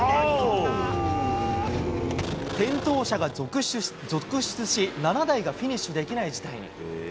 転倒者が続出し、７台がフィニッシュできない事態に。